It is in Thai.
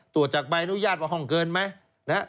ตรวจจากบรรยายนุญาตว่าห้องเกินไหม